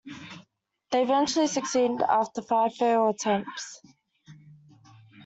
They eventually succeeded after five failed attempts